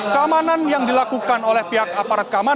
keamanan yang dilakukan oleh pihak aparat keamanan